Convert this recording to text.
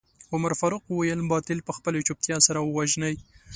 عمر فاروق وويل باطل په خپلې چوپتيا سره ووژنئ.